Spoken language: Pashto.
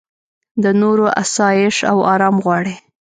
د نورو اسایش او ارام غواړې.